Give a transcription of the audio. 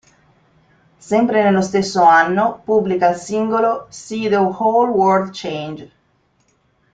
Sempre nello stesso anno pubblica il singolo "See the Whole World Change".